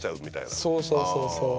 そうそうそうそう。